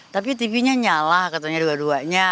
tapi tv nya nyala katanya dua duanya